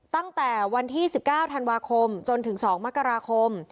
ตั้งแต่วันที่๑๙ธันวาคมจนถึง๒มกราคม